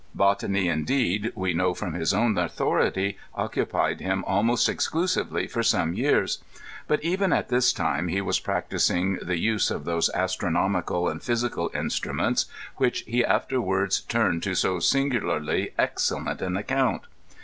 Bot any, indeed, we know from his own authority, occupied him almost exclusively for some years ; but even at this time he was practicing the use of those astronomical and physical in struments which he afterward turned to so singularly excel lent an account.